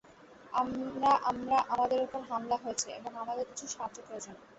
আমরা-আমরা-আমাদের ওপর হামলা হয়েছে, এবং আমাদের কিছু সাহায্য প্রয়োজন।